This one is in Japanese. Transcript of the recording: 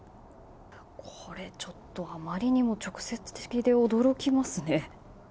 これ、あまりにも直接的で驚きますね。